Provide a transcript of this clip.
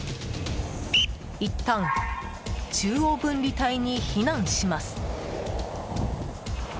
いったん中央分離帯に避難します。